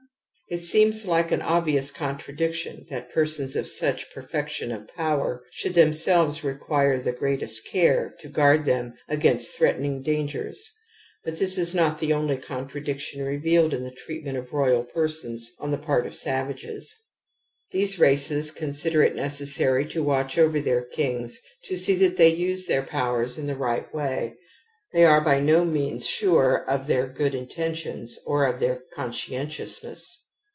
It seems like an obvious contradiction that persons of such perfection of power shotdd them selves require the greatest care to guard them against threatening dangers, but this is not the only contradiction revealed in the treatment of royal persons on the part of savages. These races consider it necessary to watch over their kings to see that they use their powers in the right way ; they are by no means sure of their good intentions or of their conscientiousness.